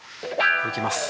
いきます。